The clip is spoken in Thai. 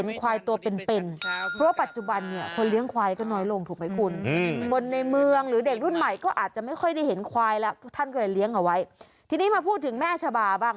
แล้วท่านก็เลยเลี้ยงเอาไว้ทีนี้มาพูดถึงแม่ชาบาบ้าง